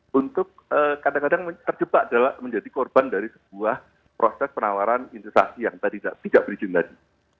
kemudian untuk kadang kadang terjebak adalah menjadi korban dari sebuah proses penawaran instalasi yang tadi tidak berizin lagi